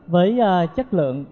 với chất lượng